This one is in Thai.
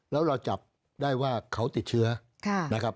แล้วเราจับได้ว่าเขาติดเชื้อนะครับ